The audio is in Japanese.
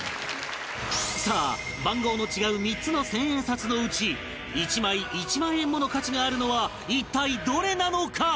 さあ番号の違う３つの１０００円札のうち１枚１万円もの価値があるのは一体どれなのか？